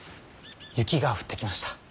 雪が降ってきました。